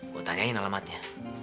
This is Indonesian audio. gue tanyain alamatnya